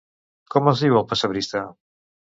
Com es diu el pessebrista?